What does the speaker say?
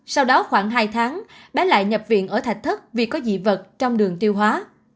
sau đó khoảng hai tháng bé lại nhập viện ở thạch thất vì có dị vật trong đường tiêu hóa